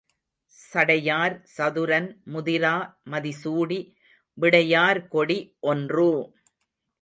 சடையார் சதுரன் முதிரா மதிசூடி விடையார் கொடி ஒன்று!